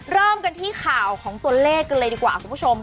เริ่มกันที่ข่าวของตัวเลขกันเลยดีกว่าคุณผู้ชม